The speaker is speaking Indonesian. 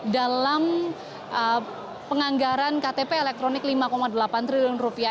dalam penganggaran ktp elektronik lima delapan triliun rupiah